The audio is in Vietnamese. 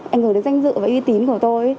anh người đến danh dự với uy tín của tôi